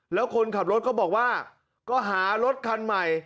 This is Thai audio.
แล้วคนขับรถก็บอกว่าก็หารถคันใหม่